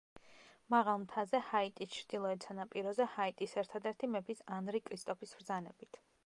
მაღალ მთაზე, ჰაიტის ჩრდილოეთ სანაპიროზე, ჰაიტის ერთადერთი მეფის ანრი კრისტოფის ბრძანებით.